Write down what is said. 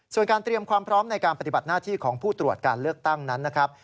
ส่วนการเตรียมความพร้อมในการปฏิบัติหน้าที่ของผู้ตรวจการเลือกตั้งนั้นนะครับ